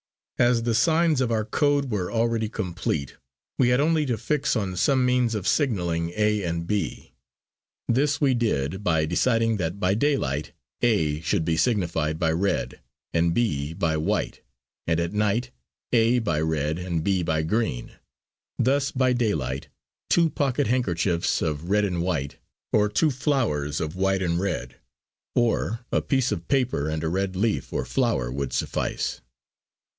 As the signs of our code were already complete we had only to fix on some means of signalling 'A' and 'B'. This we did by deciding that by daylight A should be signified by red and B by white and at night A by red and B by green. Thus by daylight two pocket handkerchiefs of red and white or two flowers of white and red; or a piece of paper and a red leaf or flower would suffice.